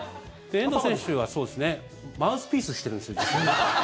遠藤選手は、実はマウスピースしてるんですよ。